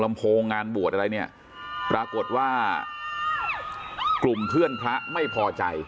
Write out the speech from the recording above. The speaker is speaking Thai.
โพงงานบวชอะไรเนี่ยปรากฏว่ากลุ่มเพื่อนพระไม่พอใจ